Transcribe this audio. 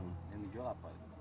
yang dijual apa itu